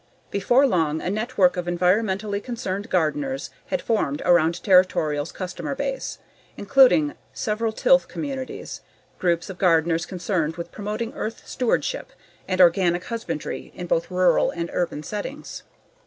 Before long, a network of environmentally concerned gardeners had formed around Territorial's customer base, including several Tilth communities, groups of gardeners concerned with promoting earth stewardship and organic husbandry in both rural and urban settings.